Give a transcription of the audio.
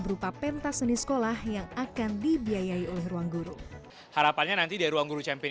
berupa pentas seni sekolah yang akan dibiayai oleh ruang guru harapannya nanti di ruang guru champion